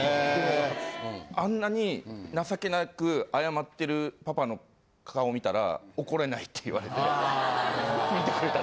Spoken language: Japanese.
「あんなに情けなく謝ってるパパの顔見たら怒れない」って言われて拭いてくれた。